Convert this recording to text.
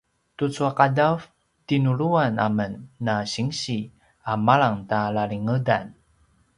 tucu a qadav tinuluan amen na sinsi a malang ta lalingedan